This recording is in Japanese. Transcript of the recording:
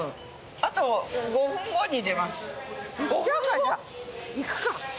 あと５分後に出ます。